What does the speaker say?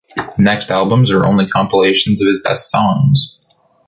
The next albums are only compilations of his best songs.